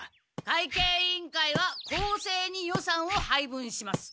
会計委員会は公正に予算を配分します。